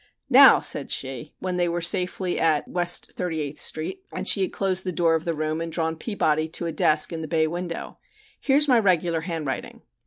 "Now," said she, when they were safely at no West Thirty eighth Street, and she had closed the door of the room and drawn Peabody to a desk in the bay window. "Here's my regular handwriting."